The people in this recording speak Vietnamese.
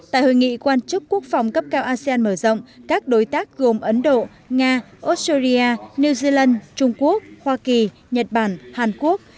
tại hội nghị quan chức quốc phòng cấp cao asean mở rộng các đối tác gồm ấn độ nga australia new zealand trung quốc hoa kỳ nhật bản hàn quốc